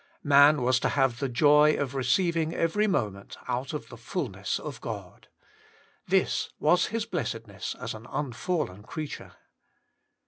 Man was to have the joy of receiving every moment out of the ful ness of God. This was his blessedness as an imfallen creature.